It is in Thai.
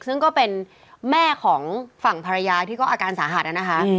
ซึ่งก็เป็นแม่ของฝั่งภรรยาที่ก็อาการสาหัสนะคะ